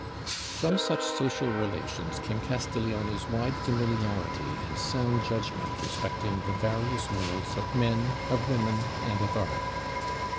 From such social relations came Castiglione's wide familiarity and sound judgment respecting the various worlds of men, of women, and of art.